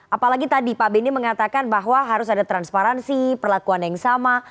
apalagi tadi pak benny mengatakan bahwa harus ada transparansi perlakuan yang sama